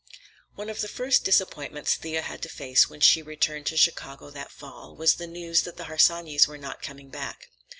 One of the first disappointments Thea had to face when she returned to Chicago that fall, was the news that the Harsanyis were not coming back.